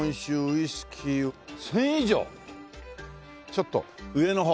ちょっと上の方。